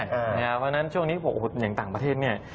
เพราะฉะนั้นช่วงนี้อย่างต่างประเทศเนี่ย